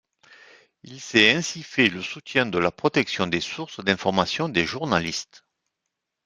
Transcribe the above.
Il s'est ainsi fait le soutien de la protection des sources d'information des journalistes.